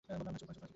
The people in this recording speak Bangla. বললাম না চুপ করো।